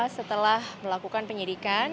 setelah melakukan pendidikan